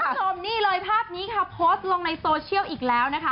คุณผู้ชมนี่เลยภาพนี้ค่ะโพสต์ลงในโซเชียลอีกแล้วนะคะ